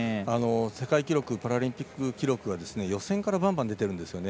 世界記録パラリンピック記録が予選からバンバン出ているんですね。